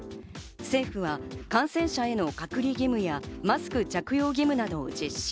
政府は感染者への隔離義務やマスク着用義務などを実施。